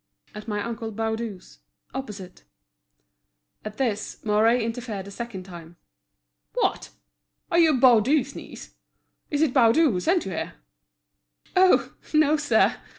"At my uncle Baudu's, opposite." At this, Mouret interfered a second time. "What! are you Baudu's niece? Is it Baudu who sent you here?" "Oh! no, sir!"